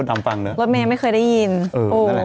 รถเมท์ไม่เคยได้ยินเออนั่นแหละ